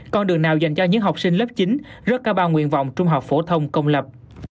con đường nào dành cho những học sinh lớp chín rớt ca bao nguyện vọng trung học phổ thông công lập